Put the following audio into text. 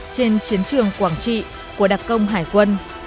trên chiến trường quảng trị của đặc công hải quân